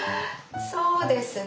そうですね。